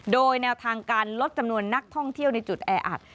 โดยแนวทางการลดจำนวนนักท่องเที่ยวในจุดแออัด